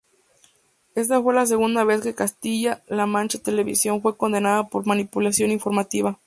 Esta fue la segunda vez que Castilla-La Mancha Televisión fue condenada por manipulación informativa.